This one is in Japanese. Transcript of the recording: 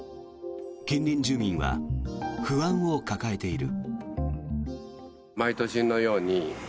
近隣住民は不安を抱えている。